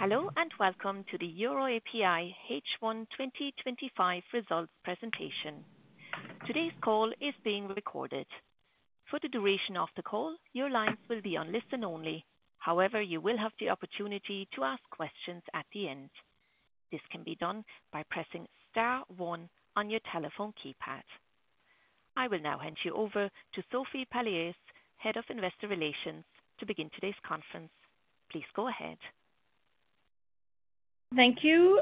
Hello and welcome to the EUROAPI H1 2025 results presentation. Today's call is being recorded. For the duration of the call, your lines will be on listen-only. However, you will have the opportunity to ask questions at the end. This can be done by pressing star one on your telephone keypad. I will now hand you over to Sophie Palliez, Head of Investor Relations, to begin today's conference. Please go ahead. Thank you.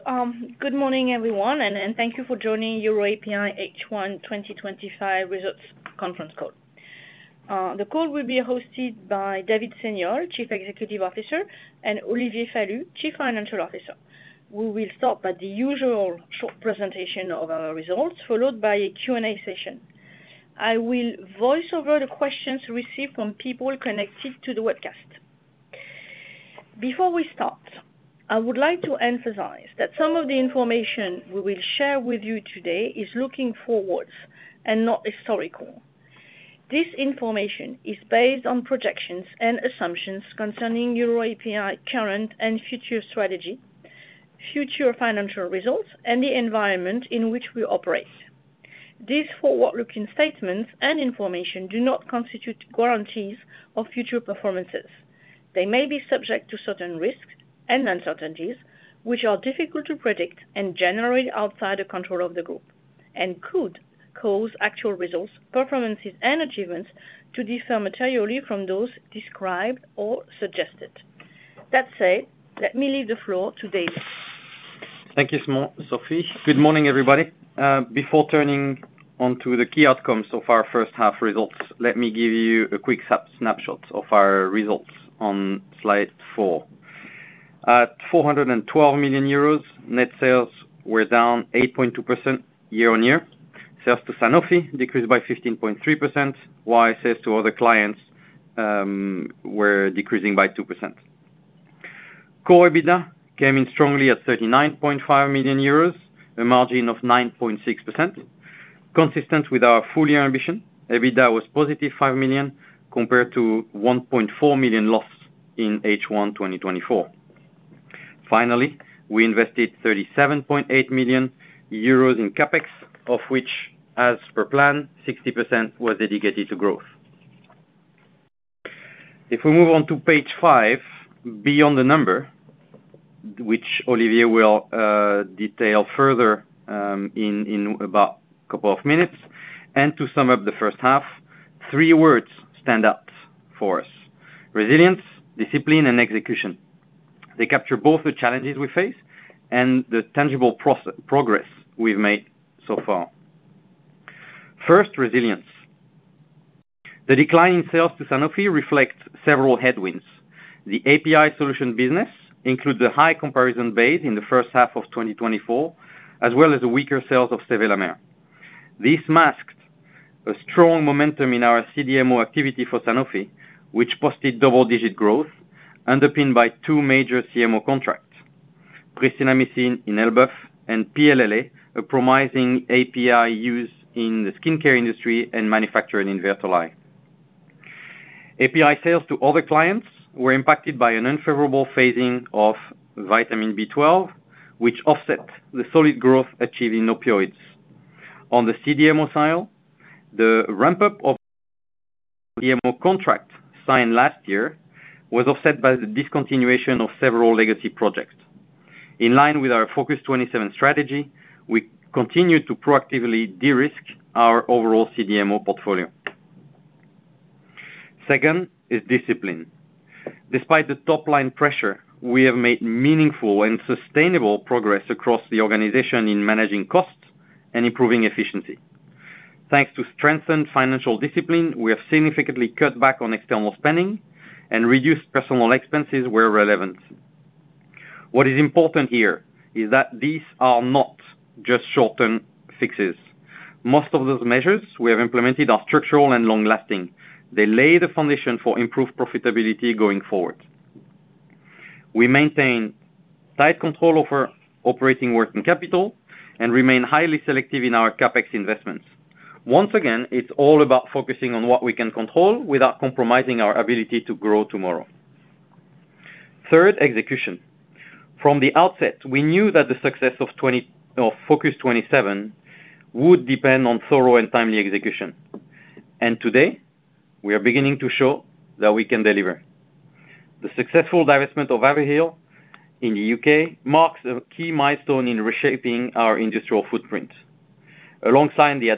Good morning, everyone, and thank you for joining the EUROAPI H1 2025 results conference call. The call will be hosted by David Seignolle, Chief Executive Officer, and Olivier Falut, Chief Financial Officer. We will start with the usual short presentation of our results, followed by a Q&A session. I will voice over the questions received from people connected to the webcast. Before we start, I would like to emphasize that some of the information we will share with you today is looking forward and not historical. This information is based on projections and assumptions concerning EUROAPI's current and future strategy, future financial results, and the environment in which we operate. These forward-looking statements and information do not constitute guarantees of future performances. They may be subject to certain risks and uncertainties, which are difficult to predict and generate outside the control of the group, and could cause actual results, performances, and achievements to differ materially from those described or suggested. That said, let me leave the floor to Dave. Thank you, Sophie. Good morning, everybody. Before turning on to the key outcomes of our first half results, let me give you a quick snapshot of our results on slide four. At 412 million euros, net sales were down 8.2% year-on-year. Sales to Sanofi decreased by 15.3% while sales to other clients were decreasing by 2%. Core EBITDA came in strongly at 39.5 million euros, a margin of 9.6%, consistent with our full-year ambition. EBITDA was +5 million compared to 1.4 million loss in H1 2024. Finally, we invested 37.8 million euros in CapEx, of which, as per plan, 60% was dedicated to growth. If we move on to page five, beyond the number, which Olivier will detail further in about a couple of minutes, and to sum up the first half, three words stand out for us: resilience, discipline, and execution. They capture both the challenges we face and the tangible progress we've made so far. First, resilience. The decline in sales to Sanofi reflects several headwinds. The API Solutions business includes a high comparison base in the first half of 2024, as well as weaker sales of sevelamer. This masked a strong momentum in our CDMO activity for Sanofi, which posted double-digit growth, underpinned by two major CMO contracts: Pristinamycin in Elbeuf and PLLA, a promising API used in the skincare industry and manufacturing in Vertolaye. API sales to other clients were impacted by an unfavorable phasing of vitamin B12, which offset the solid growth achieved in opioids. On the CDMO side, the ramp-up of CDMO contracts signed last year was offset by the discontinuation of several legacy projects. In line with our FOCUS-27 strategy, we continue to proactively de-risk our overall CDMO portfolio. Second is discipline. Despite the top-line pressure, we have made meaningful and sustainable progress across the organization in managing costs and improving efficiency. Thanks to strengthened financial discipline, we have significantly cut back on external spending and reduced personnel expenses where relevant. What is important here is that these are not just short-term fixes. Most of those measures we have implemented are structural and long-lasting. They lay the foundation for improved profitability going forward. We maintain tight control of our operating working capital and remain highly selective in our CapEx investments. Once again, it's all about focusing on what we can control without compromising our ability to grow tomorrow. Third, execution. From the outset, we knew that the success of FOCUS-27 would depend on thorough and timely execution. Today, we are beginning to show that we can deliver. The successful divestment of Haverhill in the U.K. marks a key milestone in reshaping our industrial footprint. Alongside the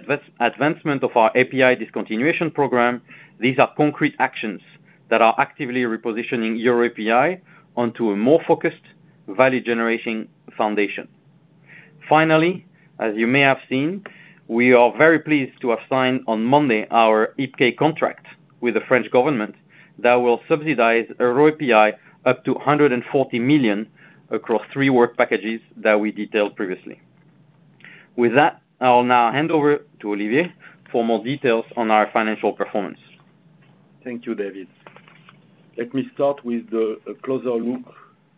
advancement of our API discontinuation program, these are concrete actions that are actively repositioning EUROAPI onto a more focused, value-generating foundation. Finally, as you may have seen, we are very pleased to have signed on Monday our IPK contract with the French government that will subsidize EUROAPI up to 140 million across three work packages that we detailed previously. With that, I will now hand over to Olivier for more details on our financial performance. Thank you, David. Let me start with a closer look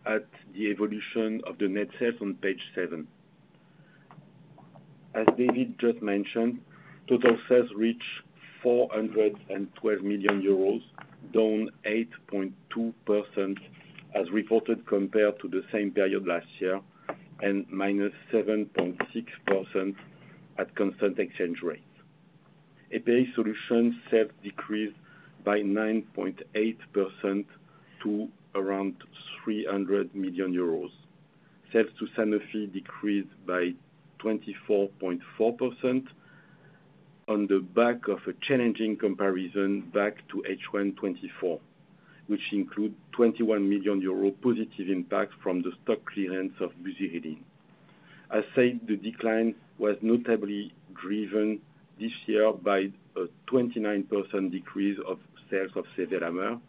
at the evolution of the net sales on page seven. As David just mentioned, total sales reached 412 million euros, down 8.2% as reported compared to the same period last year, and -7.6% at constant exchange rates. API solutions sales decreased by 9.8% to around 300 million euros. Sales to Sanofi decreased by 24.4% on the back of a challenging comparison back to H1 2024, which includes 21 million euro positive impacts from the stock clearance of busiridine. The decline was notably driven this year by a 29% decrease of sales of sevelamer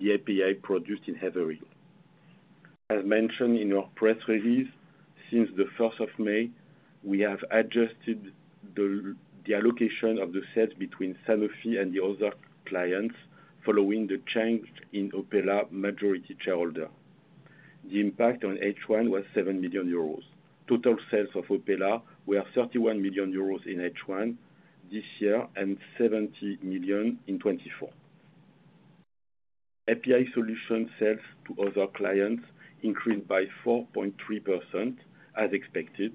the API produced in Haverhill. As mentioned in our press release, since the 1st of May, we have adjusted the allocation of the sales between Sanofi and the other clients following the change in Opella majority shareholder. The impact on H1 was €7 million. Total sales of Opella were 31 million euros in H1 this year and 70 million in 2024. API solutions sales to other clients increased by 4.3% as expected.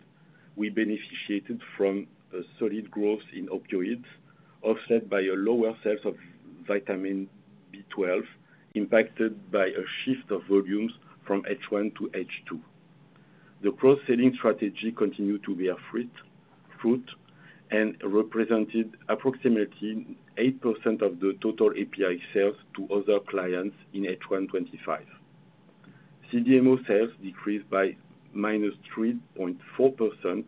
We beneficiated from a solid growth in opioids, offset by lower sales of vitamin B12, impacted by a shift of volumes from H1 to H2. The cross-selling strategy continued to bear fruit and represented approximately 8% of the total API sales to other clients in H1 2025. CDMO sales decreased by -3.4%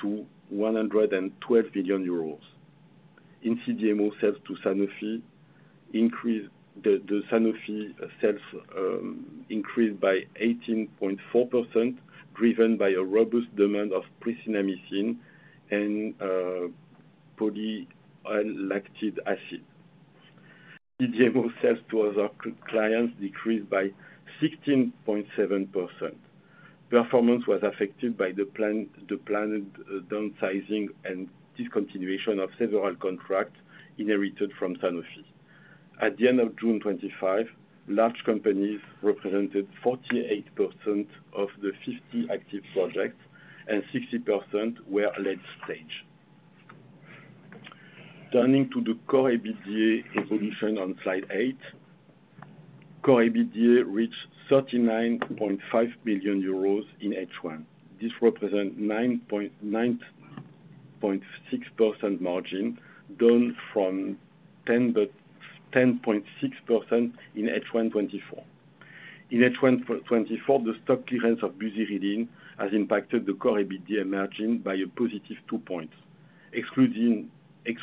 to 112 million euros. In CDMO, sales to Sanofi increased by 18.4%, driven by a robust demand of Pristinamycin and poly-L- lactic acid. CDMO sales to other clients decreased by 16.7%. Performance was affected by the planned downsizing and discontinuation of several contracts inherited from Sanofi. At the end of June 2025, large companies represented 48% of the 50 active projects and 60% were at the stage. Turning to the core EBITDA evolution on slide eight, core EBITDA reached 39.5 million euros in H1. This represents a 9.6% margin, down from 10.6% in H1 2024. In H1 2024, the stock clearance of busiridine has impacted the core EBITDA margin by a positive two points. Excluding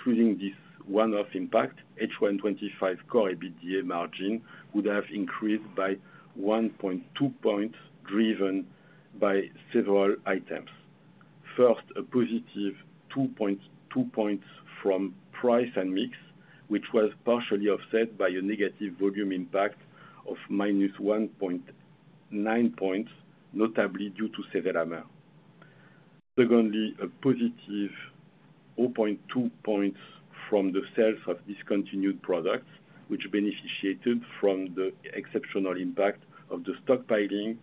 this one-off impact, H1 2025 core EBITDA margin would have increased by 1.2 points, driven by several items. First, a +2.2 points from price and mix, which was partially offset by a negative volume impact of -1.9 points, notably due to Sevelamer. Secondly, a +0.2 points from the sales of discontinued products, which beneficiated from the exceptional impact of the stockpiling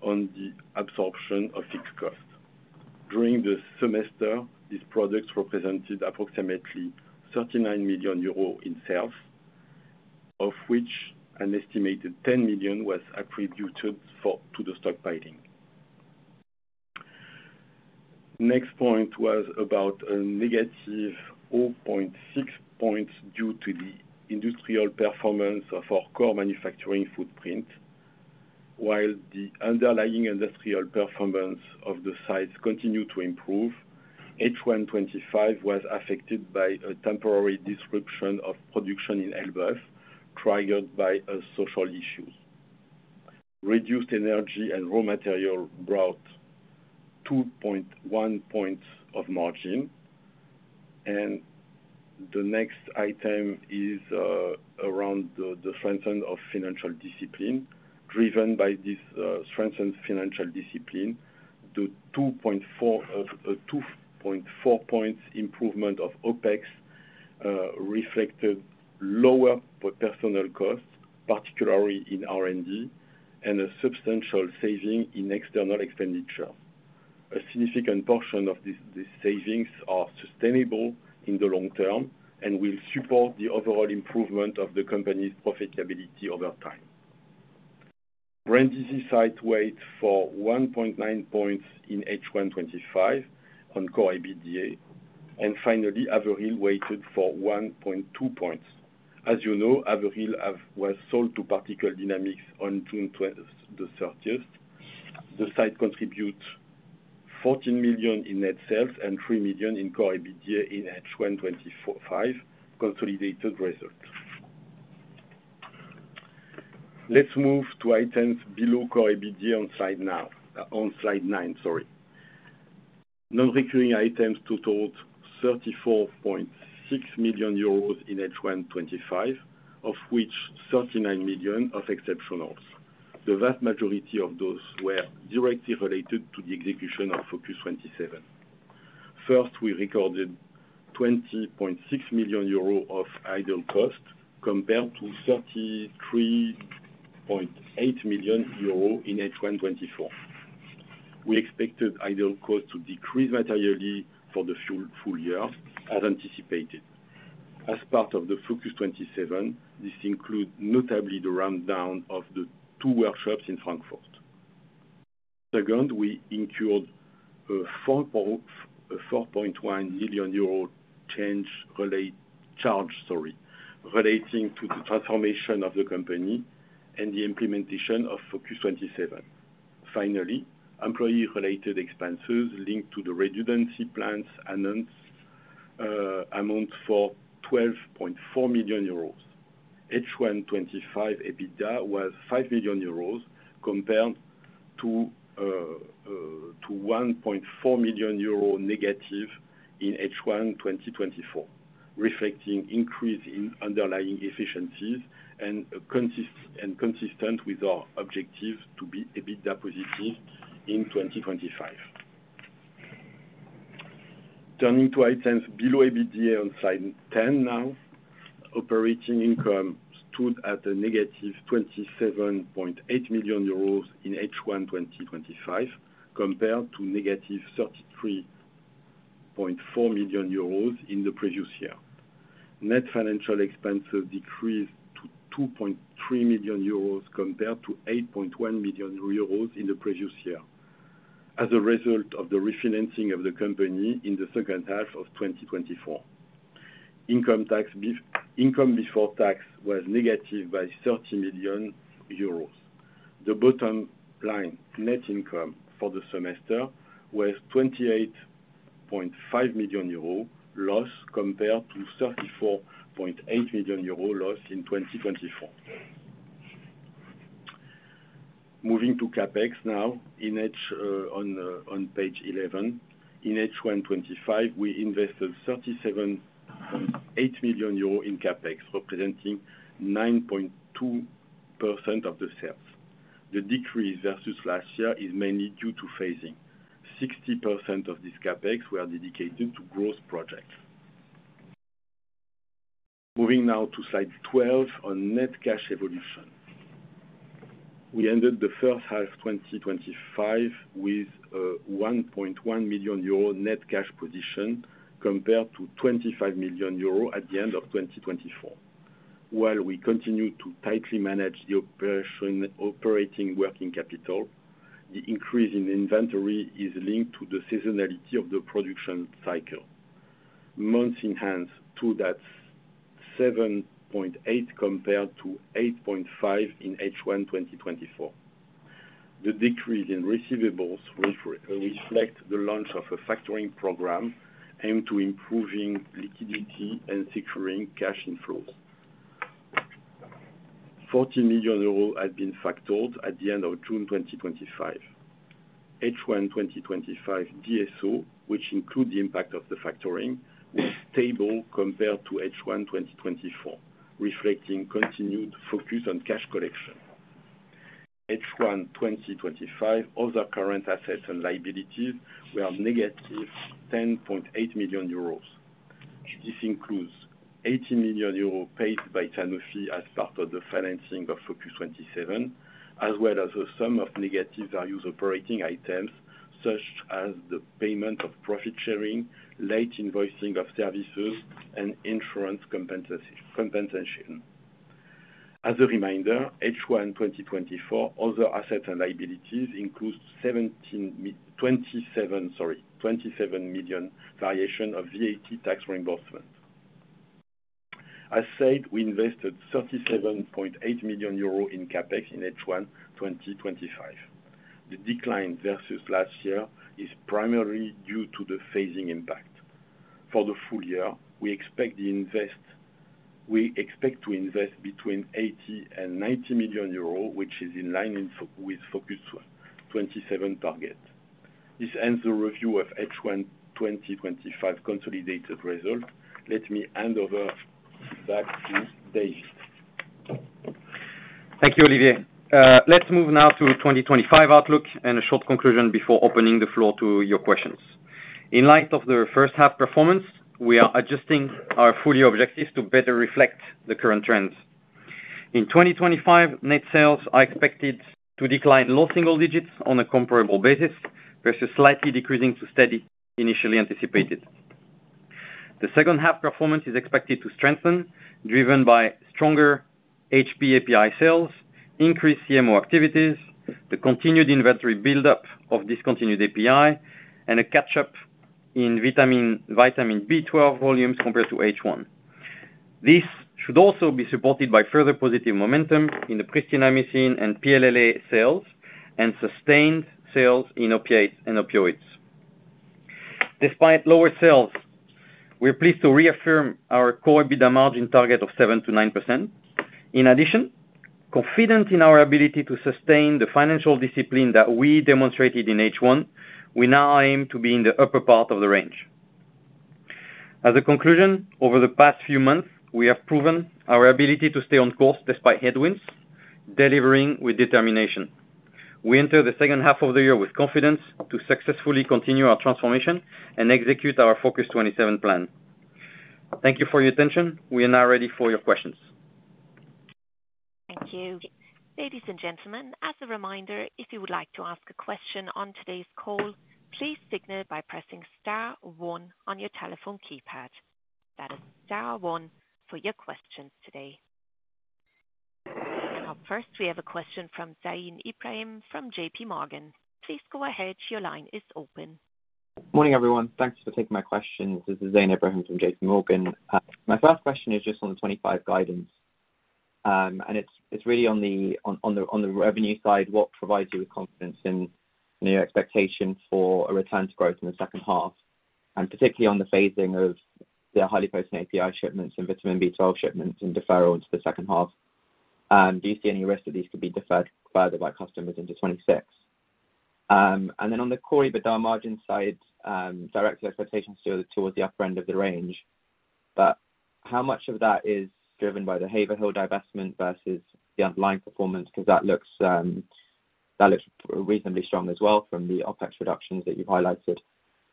on the absorption of fixed costs. During the semester, these products represented approximately 39 million euros in sales, of which an estimated 10 million was attributed to the stockpiling. The next point was about a -0.6 points due to the industrial performance of our core manufacturing footprint. While the underlying industrial performance of the sites continued to improve, H1 2025 was affected by a temporary disruption of production in Elbeuf, triggered by social issues. Reduced energy and raw materials brought 2.1 points of margin. The next item is around the strengthening of financial discipline. Driven by this strengthened financial discipline, the 2.4 points improvement of OpEx reflected lower personnel costs, particularly in R&D, and a substantial saving in external expenditure. A significant portion of these savings are sustainable in the long term and will support the overall improvement of the company's profitability over time. Brindisi site weighs for 1.9 points in H1 2025 on core EBITDA. Finally, Haverhill weighted for 1.2 points. As you know, Haverhill was sold to Particle Dynamics on June 30th. The site contribute 14 million in net sales and 3 million in core EBITDA in H1 2025 consolidated results. Let's move to items below core EBITDA on slide nine. Non-recurring items totaled 34.6 million euros in H1 2025, of which 39 million of exceptionals. The vast majority of those were directly related to the execution of FOCUS-27. First, we recorded 20.6 million euros of idle cost compared to 33.8 million euros in H1 2024. We expected idle costs to decrease materially for the full year as anticipated. As part of FOCUS-27, this includes notably the ramp down of the two workshops in Frankfurt. Second, we incurred a 4.1 million euro change-related charge relating to the transformation of the company and the implementation of FOCUS-27. Finally, employee-related expenses linked to the redundancy plans amount for 12.4 million euros. H1 2025 EBITDA was 5 million euros compared to -1.4 million euro in H1 2024, reflecting an increase in underlying efficiencies and consistent with our objectives to be EBITDA positive in 2025. Turning to items below EBITDA on slide 10 now, operating income stood at a -27.8 million euros in H1 2025 compared to -33.4 million euros in the previous year. Net financial expenses decreased to 2.3 million euros compared to 8.1 million euros in the previous year as a result of the refinancing of the company in the second half of 2024. Income before tax was negative by 30 million euros. The bottom line net income for the semester was a 28.5 million euros loss compared to a 34.8 million euros loss in 2024. Moving to CapEx now, on page 11, in H1 2025, we invested 37.8 million euros in CapEx, representing 9.2% of the sales. The decrease versus last year is mainly due to phasing. 60% of this CapEx was dedicated to growth projects. Moving now to slide 12 on net cash evolution. We ended the first half of 2025 with a 1.1 million euro net cash position compared to 25 million euro at the end of 2024. While we continue to tightly manage the operating working capital, the increase in inventory is linked to the seasonality of the production cycle. Months enhanced to 7.8% compared to 8.5% in H1 2024. The decrease in receivables reflects the launch of a factoring program aimed to improve liquidity and securing cash inflows. 40 million euros had been factored at the end of June 2025. H1 2025 DSO, which includes the impact of the factoring, was stable compared to H1 2024, reflecting continued focus on cash collection. H1 2025, other current assets and liabilities were -10.8 million euros. This includes 18 million euros paid by Sanofi as part of the financing of FOCUS-27, as well as a sum of negative values operating items, such as the payment of profit sharing, late invoicing of services, and insurance compensation. As a reminder, H1 2024, other assets and liabilities include 27 million variations of VAT tax reimbursement. As said, we invested 37.8 million euros in CapEx in H1 2025. The decline versus last year is primarily due to the phasing impact. For the full year, we expect to invest between 80 million and 90 million euros, which is in line with the FOCUS-27 target. This ends the review of H1 2025 consolidated result. Let me hand over back to Dave. Thank you, Olivier. Let's move now to 2025 outlook and a short conclusion before opening the floor to your questions. In light of the first half performance, we are adjusting our full-year objectives to better reflect the current trends. In 2025, net sales are expected to decline low single-digits on a comparable basis versus slightly decreasing to steady initially anticipated. The second half performance is expected to strengthen, driven by stronger HP API sales, increased CMO activities, the continued inventory buildup of discontinued API, and a catch-up in vitamin B12 volumes compared to H1. This should also be supported by further positive momentum in the pristinamycin and PLLA sales and sustained sales in opiates and opioids. Despite lower sales, we're pleased to reaffirm our core EBITDA margin target of 7 to 9%. In addition, confident in our ability to sustain the financial discipline that we demonstrated in H1, we now aim to be in the upper part of the range. As a conclusion, over the past few months, we have proven our ability to stay on course despite headwinds, delivering with determination. We enter the second half of the year with confidence to successfully continue our transformation and execute our FOCUS-27 plan. Thank you for your attention. We are now ready for your questions. Thank you. Ladies and gentlemen, as a reminder, if you would like to ask a question on today's call, please signal by pressing on star one your telephone keypad. That is star one for your questions today. Our first, we have a question from Zain Ebrahim from JPMorgan. Please go ahead. Your line is open. Morning, everyone. Thanks for taking my question. This is Zain Ibrahim from JP Morgan. My first question is just on the 2025 guidance. It's really on the revenue side, what provides you with confidence in your expectation for a return to growth in the second half, particularly on the phasing of the highly potent API shipments and vitamin B12 shipments in deferral into the second half. Do you see any risk that these could be deferred further by customers into 2026? On the core EBITDA margin side, direct expectation still is towards the upper end of the range. How much of that is driven by the Haverhill divestment versus the underlying performance? That looks reasonably strong as well from the OpEx reductions that you've highlighted.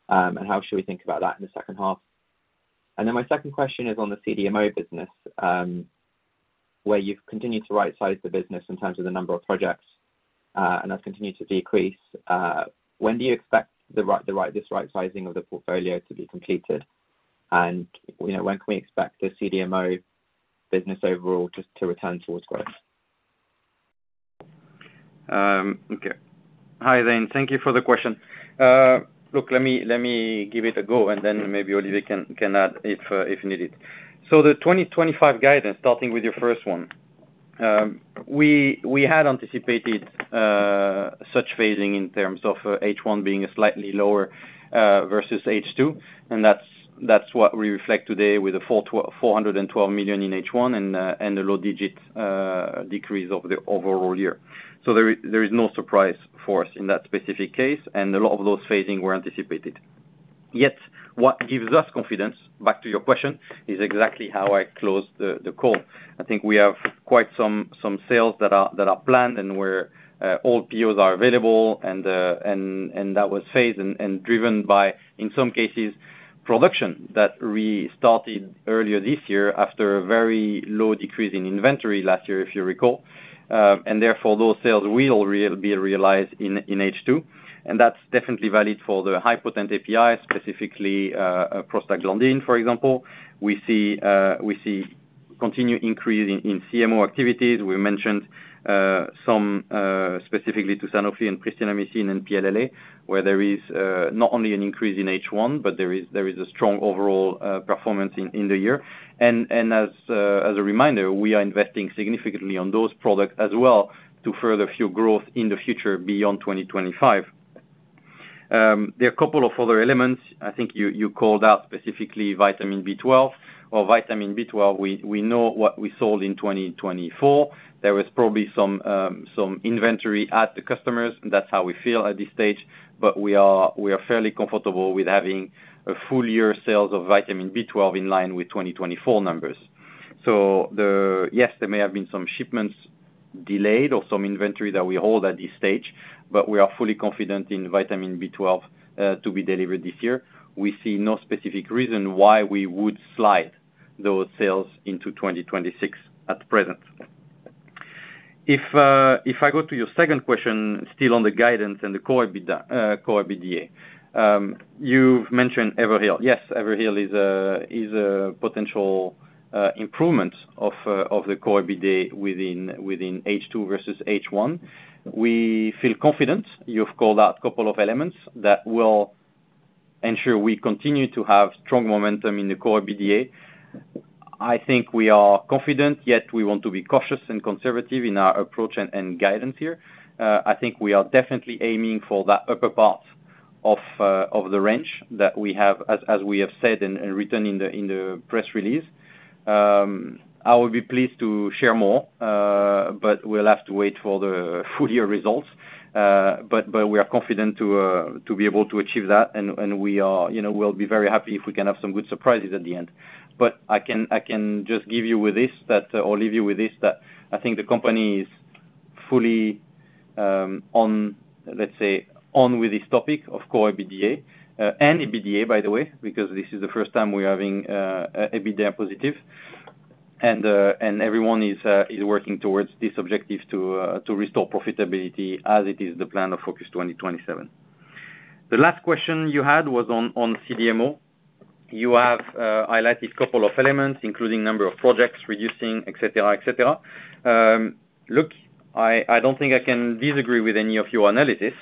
How should we think about that in the second half? My second question is on the CDMO business, where you've continued to right-size the business in terms of the number of projects and have continued to decrease. When do you expect this right-sizing of the portfolio to be completed? When can we expect the CDMO business overall to return towards growth? Okay. Hi, Zain. Thank you for the question. Look, let me give it a go, and then maybe Olivier can add if needed. The 2025 guidance, starting with your first one, we had anticipated such phasing in terms of H1 being slightly lower versus H2. That's what we reflect today with the 412 million in H1 and the low-digit decrease of the overall year. There is no surprise for us in that specific case, and a lot of those phasings were anticipated. What gives us confidence, back to your question, is exactly how I closed the call. I think we have quite some sales that are planned and where all POs are available, and that was phased and driven by, in some cases, production that we started earlier this year after a very low decrease in inventory last year, if you recall. Therefore, those sales will be realized in H2. That's definitely valid for the high-potent API, specifically prostaglandins, for example. We see a continued increase in CMO activities. We mentioned some specifically to Sanofi and pristinamycin and PLLA, where there is not only an increase in H1, but there is a strong overall performance in the year. As a reminder, we are investing significantly on those products as well to further fuel growth in the future beyond 2025. There are a couple of other elements. I think you called out specifically vitamin B12. For vitamin B12, we know what we sold in 2024. There was probably some inventory at the customers. That's how we feel at this stage. We are fairly comfortable with having a full-year sales of vitamin B12 in line with 2024 numbers. Yes, there may have been some shipments delayed or some inventory that we hold at this stage, but we are fully confident in vitamin B12 to be delivered this year. We see no specific reason why we would slide those sales into 2026 at present. If I go to your second question, still on the guidance and the core EBITDA, you've mentioned Haverhill. Yes, Haverhill is a potential improvement of the core EBITDA within H2 versus H1. We feel confident. You've called out a couple of elements that will ensure we continue to have strong momentum in the core EBITDA. I think we are confident, yet we want to be cautious and conservative in our approach and guidance here. I think we are definitely aiming for that upper part of the range that we have, as we have said and written in the press release. I would be pleased to share more, but we'll have to wait for the full-year results. We are confident to be able to achieve that, and we'll be very happy if we can have some good surprises at the end. I can just leave you with this, that I think the company is fully on with this topic of core EBITDA, and EBITDA, by the way, because this is the first time we're having EBITDA positive. Everyone is working towards this objective to restore profitability as it is the plan of FoOCUS-2027. The last question you had was on CDMO. You have highlighted a couple of elements, including a number of projects reducing, etc. I don't think I can disagree with any of your analysis.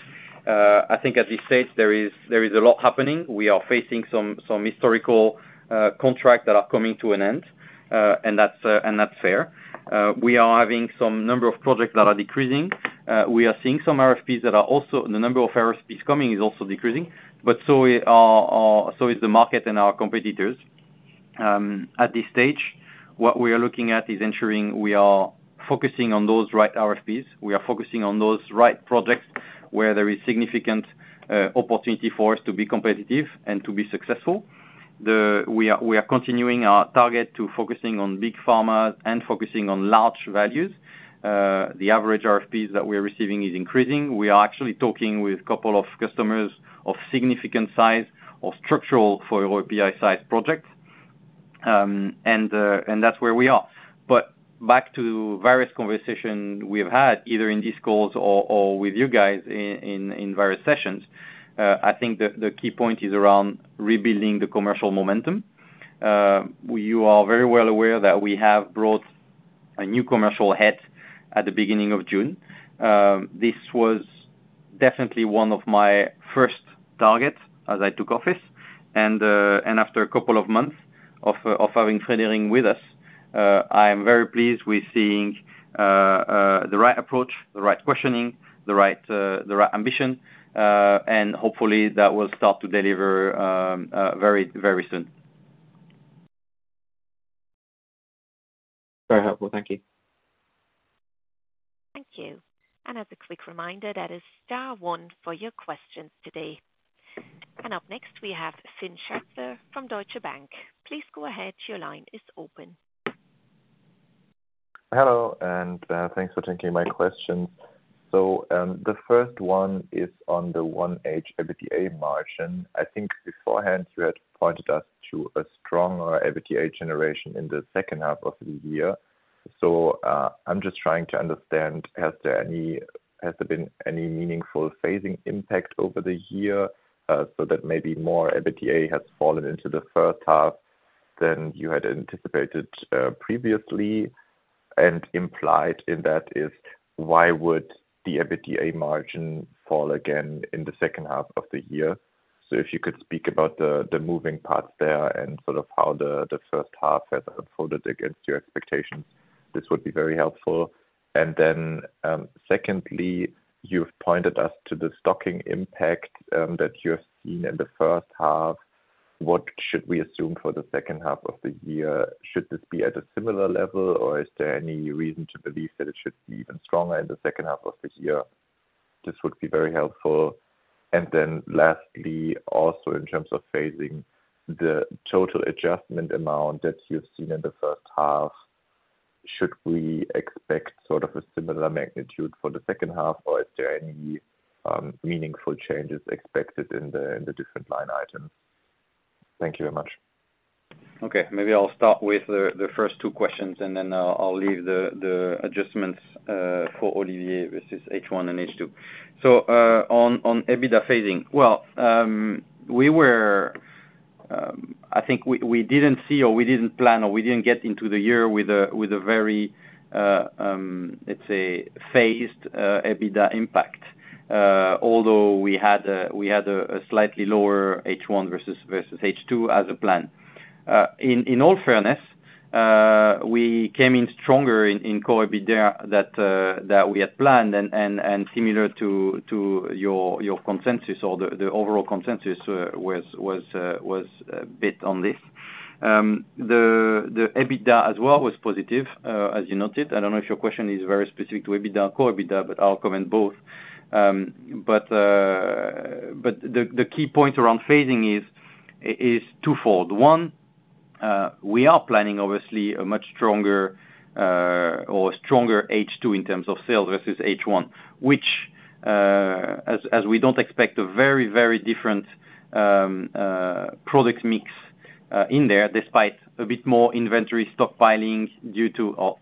I think at this stage, there is a lot happening. We are facing some historical contracts that are coming to an end, and that's fair. We are having some number of projects that are decreasing. We are seeing some RFPs that are also, the number of RFPs coming is also decreasing. The market and our competitors are experiencing the same. At this stage, what we are looking at is ensuring we are focusing on those right RFPs. We are focusing on those right projects where there is significant opportunity for us to be competitive and to be successful. We are continuing our target to focusing on big pharma and focusing on large values. The average RFPs that we are receiving are increasing. We are actually talking with a couple of customers of significant size of structural for EUROAPI size projects. That's where we are. Back to various conversations we have had, either in these calls or with you guys in various sessions, I think the key point is around rebuilding the commercial momentum. You are very well aware that we have brought a new commercial head at the beginning of June. This was definitely one of my first targets as I took office. After a couple of months of having Frédéric with us, I am very pleased with seeing the right approach, the right questioning, the right ambition. Hopefully, that will start to deliver very, very soon. Very helpful. Thank you. Thank you. As a quick reminder, that is star one for your questions today. Up next, we have Fynn Scherzler from Deutsche Bank. Please go ahead. Your line is open. Hello, and thanks for taking my question. The first one is on the 1H EBITDA margin. I think beforehand, you had pointed us to a stronger EBITDA generation in the second half of the year. I'm just trying to understand, has there been any meaningful phasing impact over the year so that maybe more EBITDA has fallen into the first half than you had anticipated previously? Implied in that is, why would the EBITDA margin fall again in the second half of the year? If you could speak about the moving parts there and sort of how the first half has unfolded against your expectations, this would be very helpful. Secondly, you've pointed us to the stocking impact that you have seen in the first half. What should we assume for the second half of the year? Should this be at a similar level, or is there any reason to believe that it should be even stronger in the second half of the year? This would be very helpful. Lastly, also in terms of phasing, the total adjustment amount that you've seen in the first half, should we expect sort of a similar magnitude for the second half, or is there any meaningful changes expected in the different line items? Thank you very much. Okay. Maybe I'll start with the first two questions, and then I'll leave the adjustments for Olivier versus H1 and H2. On EBITDA phasing, I think we didn't see or we didn't plan or we didn't get into the year with a very, let's say, phased EBITDA impact. Although we had a slightly lower H1 versus H2 as a plan, in all fairness, we came in stronger in core EBITDA than we had planned, and similar to your consensus or the overall consensus was a bit on this. The EBITDA as well was positive, as you noted. I don't know if your question is very specific to EBITDA or core EBITDA, but I'll comment both. The key point around phasing is twofold. One, we are planning obviously a much stronger or a stronger H2 in terms of sales versus H1, which, as we don't expect a very, very different product mix in there, despite a bit more inventory stockpiling due to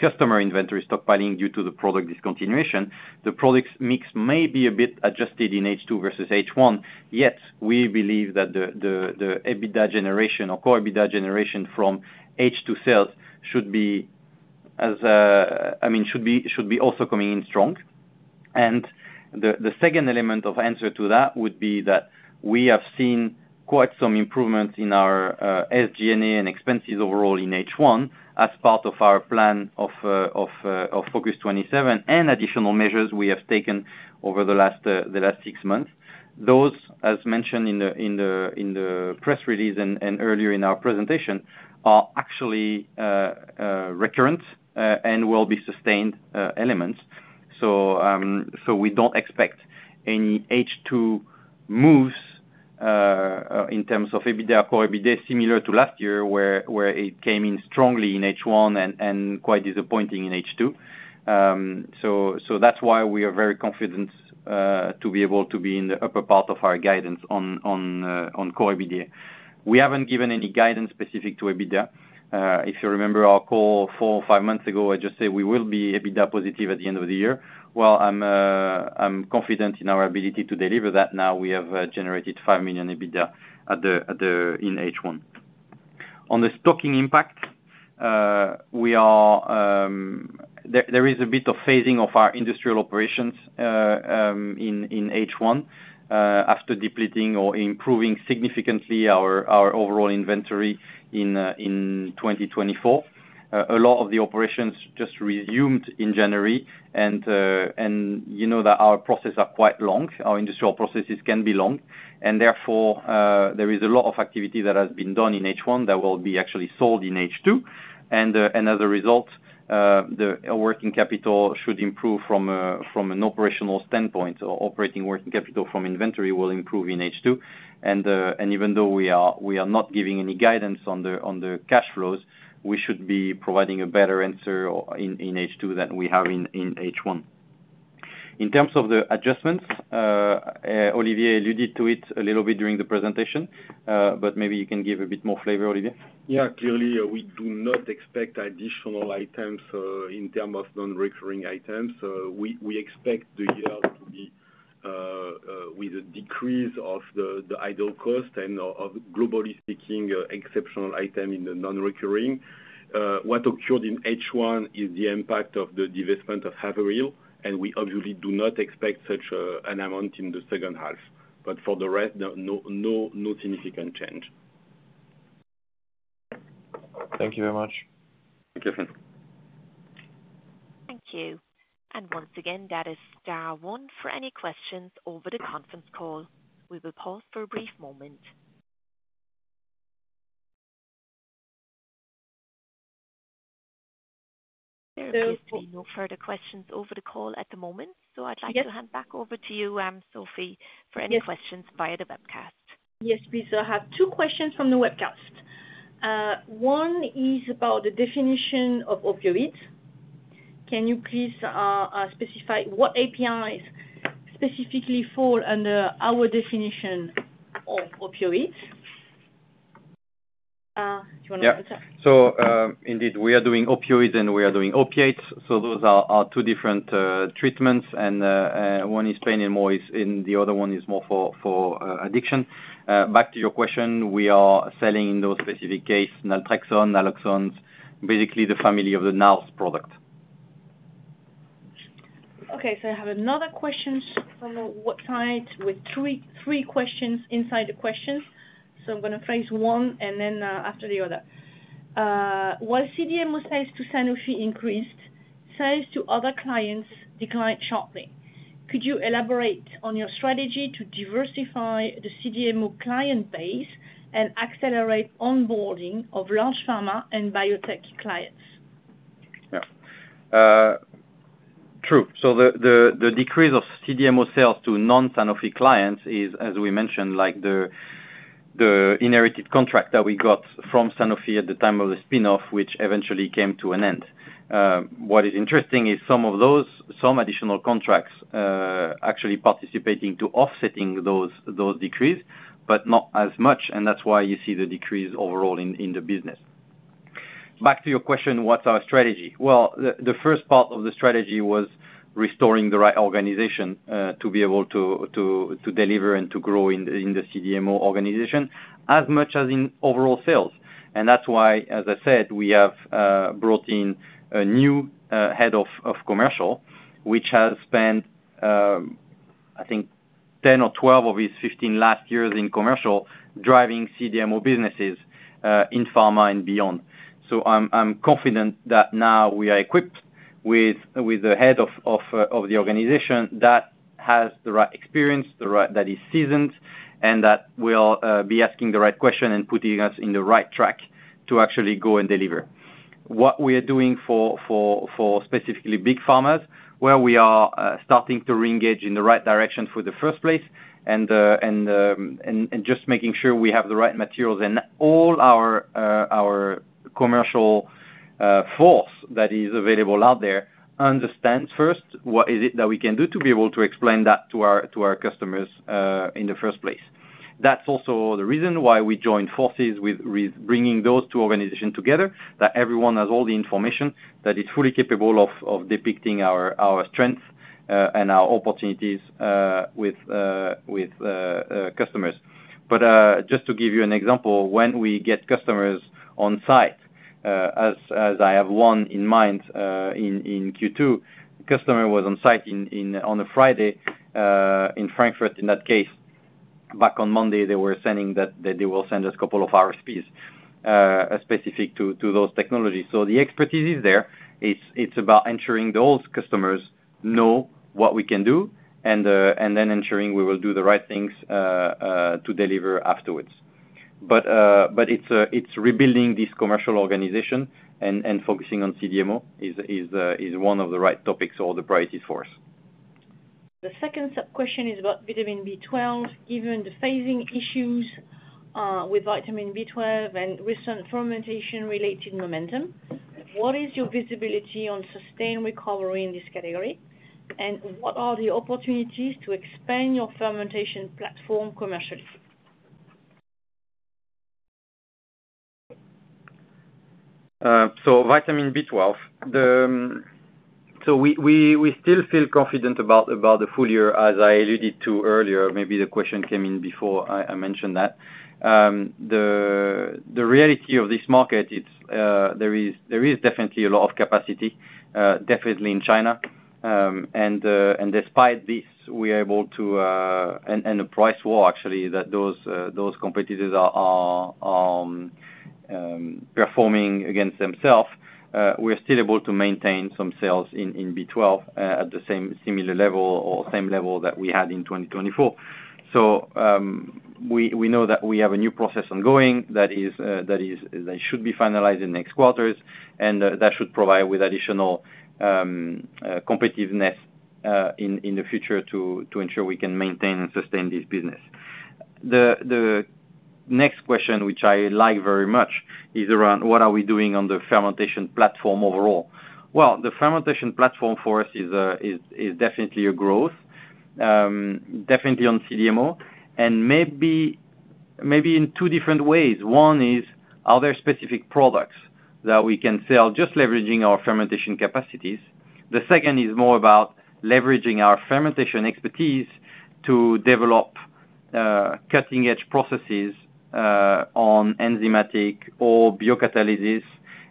customer inventory stockpiling due to the product discontinuation, the product mix may be a bit adjusted in H2 versus H1. Yet we believe that the EBITDA generation or core EBITDA generation from H2 sales should be, I mean, should be also coming in strong. The second element of answer to that would be that we have seen quite some improvements in our SG&A and expenses overall in H1 as part of our plan of FOCUS-27 and additional measures we have taken over the last six months. Those, as mentioned in the press release and earlier in our presentation, are actually recurrent and will be sustained elements. We don't expect any H2 moves in terms of EBITDA or core EBITDA similar to last year, where it came in strongly in H1 and quite disappointing in H2. That's why we are very confident to be able to be in the upper part of our guidance on core EBITDA. We haven't given any guidance specific to EBITDA. If you remember our call four or five months ago, I just said we will be EBITDA positive at the end of the year. I'm confident in our ability to deliver that. Now we have generated 5 million EBITDA in H1. On the stocking impact, there is a bit of phasing of our industrial operations in H1 after depleting or improving significantly our overall inventory in 2024. A lot of the operations just resumed in January, and you know that our processes are quite long. Our industrial processes can be long, and therefore, there is a lot of activity that has been done in H1 that will be actually sold in H2. As a result, the working capital should improve from an operational standpoint. Our operating working capital from inventory will improve in H2. Even though we are not giving any guidance on the cash flows, we should be providing a better answer in H2 than we have in H1. In terms of the adjustments, Olivier alluded to it a little bit during the presentation, but maybe you can give a bit more flavor, Olivier. Yeah, clearly, we do not expect additional items in terms of non-recurring items. We expect the years to be with a decrease of the idle cost and, globally speaking, exceptional items in the non-recurring. What occurred in H1 is the impact of the divestment of Haverhill, and we obviously do not expect such an amount in the second half. For the rest, no significant change. Thank you very much. Thank you, Fynn. Thank you. That is star one for any questions over the conference call. We will pause for a brief moment. There seems to be no further questions over the call at the moment. I'd like to hand back over to you, Sophie, for any questions via the webcast. Yes, please. I have two questions from the webcast. One is about the definition of opioids. Can you please specify what APIs specifically fall under our definition of opioids? Do you want to answer? Yeah. Indeed, we are doing opioids and we are doing opiates. Those are two different treatments, and one is pain and the other one is more for addiction. Back to your question, we are selling in those specific cases, naltrexone, naloxone, basically the family of the NALS product. Okay. I have another question from the website with three questions inside the questions. I'm going to phrase one and then after the other. While CDMO sales to Sanofi increased, sales to other clients declined sharply. Could you elaborate on your strategy to diversify the CDMO client base and accelerate onboarding of large pharma and biotech clients? Yeah. True. The decrease of CDMO sales to non-Sanofi clients is, as we mentioned, like the inherited contract that we got from Sanofi at the time of the spin-off, which eventually came to an end. What is interesting is some of those, some additional contracts actually participating to offsetting those decreases, but not as much. That's why you see the decrease overall in the business. Back to your question, what's our strategy? The first part of the strategy was restoring the right organization to be able to deliver and to grow in the CDMO organization as much as in overall sales. That's why, as I said, we have brought in a new Head of Commercial, which has spent, I think, 10 or 12 of his 15 last years in commercial, driving CDMO businesses in pharma and beyond. I'm confident that now we are equipped with a head of the organization that has the right experience, that is seasoned, and that will be asking the right questions and putting us in the right track to actually go and deliver. What we are doing for specifically big pharmas, where we are starting to re-engage in the right direction for the first place, is just making sure we have the right materials and all our commercial force that is available out there understands first what is it that we can do to be able to explain that to our customers in the first place. That's also the reason why we joined forces with bringing those two organizations together, that everyone has all the information, that is fully capable of depicting our strengths and our opportunities with customers. Just to give you an example, when we get customers on site, as I have one in mind in Q2, the customer was on site on a Friday in Frankfurt in that case. Back on Monday, they were saying that they will send us a couple of RSPs specific to those technologies. The expertise is there. It's about ensuring those customers know what we can do and then ensuring we will do the right things to deliver afterwards. It's rebuilding this commercial organization and focusing on CDMO as one of the right topics or the priorities for us. The second sub-question is about vitamin B12, given the phasing issues with vitamin B12 and recent fermentation-related momentum. What is your visibility on sustained recovery in this category? What are the opportunities to expand your fermentation platform commercially? Vitamin B12, we still feel confident about the full year, as I alluded to earlier. Maybe the question came in before I mentioned that. The reality of this market, there is definitely a lot of capacity, definitely in China. Despite this, we are able to, and a price war, actually, that those competitors are performing against themselves, we are still able to maintain some sales in B12 at the same similar level or same level that we had in 2024. We know that we have a new process ongoing that should be finalized in the next quarters, and that should provide additional competitiveness in the future to ensure we can maintain and sustain this business. The next question, which I like very much, is around what are we doing on the fermentation platform overall. The fermentation platform for us is definitely a growth, definitely on CDMO, and maybe in two different ways. One is, are there specific products that we can sell just leveraging our fermentation capacities? The second is more about leveraging our fermentation expertise to develop cutting-edge processes on enzymatic or biocatalysis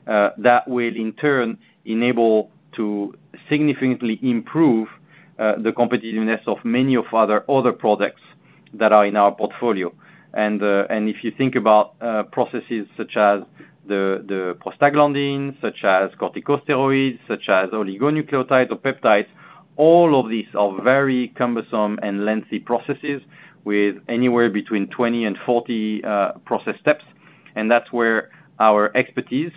that will, in turn, enable us to significantly improve the competitiveness of many of our other products that are in our portfolio. If you think about processes such as the prostaglandins, such as corticoids, such as oligonucleotides or peptides, all of these are very cumbersome and lengthy processes with anywhere between 20 and 40 process steps. That is where our expertise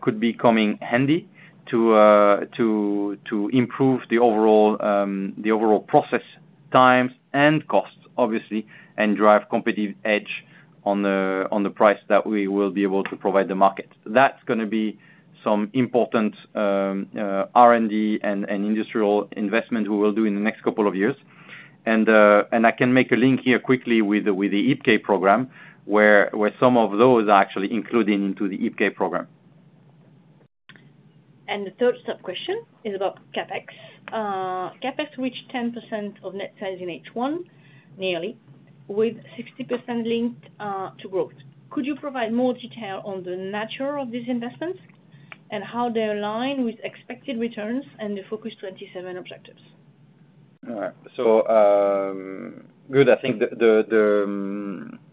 could be coming in handy to improve the overall process times and costs, obviously, and drive competitive edge on the price that we will be able to provide the market. That is going to be some important R&D and industrial investment we will do in the next couple of years. I can make a link here quickly with the IPK contract, where some of those are actually included into the IPK contract. The third sub-question is about CapEx. CapEx reached 10% of net sales in H1, nearly, with 60% linked to growth. Could you provide more detail on the nature of these investments and how they align with expected returns and the FOCUS-27 objectives? I think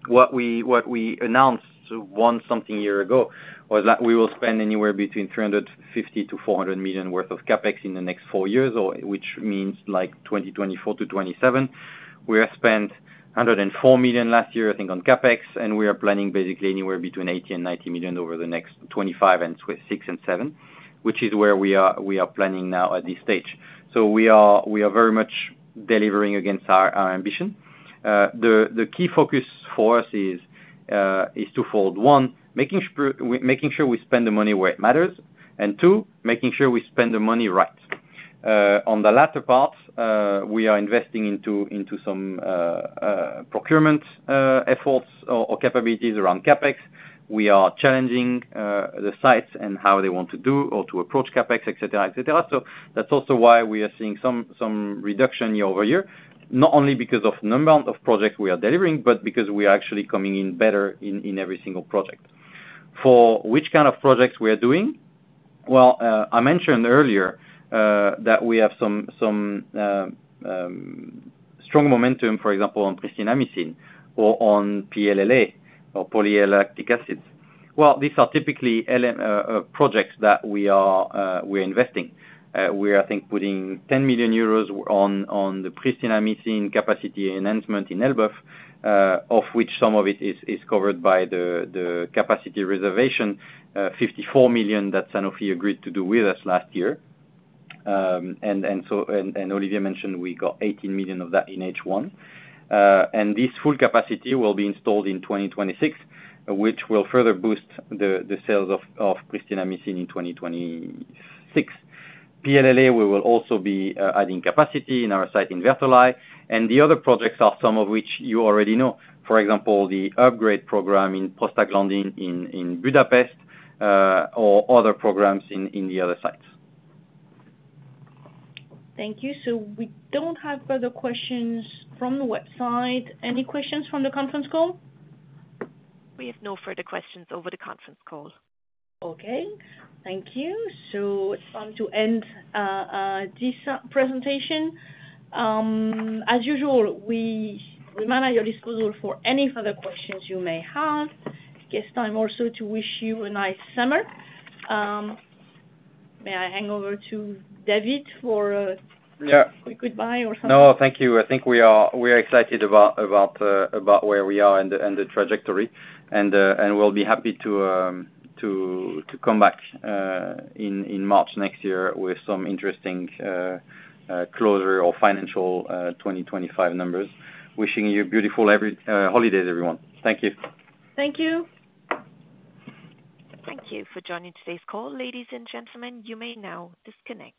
what we announced one something year ago was that we will spend anywhere between 350 million-400 million worth of CapEx in the next four years, which means like 2024-2027. We have spent 104 million last year, I think, on CapEx, and we are planning basically anywhere between 80 million and 90 million over the next 2025 and 2026 and 2027, which is where we are planning now at this stage. We are very much delivering against our ambition. The key focus for us is twofold. One, making sure we spend the money where it matters, and two, making sure we spend the money right. On the latter part, we are investing into some procurement efforts or capabilities around CapEx. We are challenging the sites and how they want to do or to approachlacticCapEx, etc., etc. That's also why we are seeing some reduction year-over-year, not only because of the number of projects we are delivering, but because we are actually coming in better in every single project. For which kind of projects we are doing? I mentioned earlier that we have some strong momentum, for example, on pristinamycin or on PLLA or poly-L-lactic acids. These are typically projects that we are investing. We are, I think, putting 10 million euros on the pristinamycin capacity enhancement in Elbeuf, of which some of it is covered by the capacity reservation, 54 million that Sanofi agreed to do with us last year. Olivier mentioned we got 18 million of that in H1. This full capacity will be installed in 2026, which will further boost the sales of pristinamycin in 2026. PLLA, we will also be adding capacity in our site in Vertolaye. The other projects are some of which you already know, for example, the upgrade program in prostaglandin in Budapest or other programs in the other sites. Thank you. We don't have further questions from the website. Any questions from the conference call? We have no further questions over the conference call. Okay. Thank you. It's time to end this presentation. As usual, we remain at your disposal for any further questions you may have. It's time also to wish you a nice summer. May I hand over to David for a quick goodbye or something? No, thank you. I think we are excited about where we are and the trajectory. We'll be happy to come back in March next year with some interesting closure or financial 2025 numbers. Wishing you beautiful holidays, everyone. Thank you. Thank you. Thank you for joining today's call. Ladies and gentlemen, you may now disconnect.